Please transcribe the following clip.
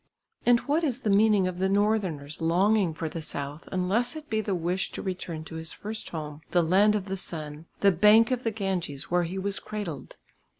And what is the meaning of the northerner's longing for the south unless it be the wish to return to his first home, the land of the sun, the bank of the Ganges where he was cradled?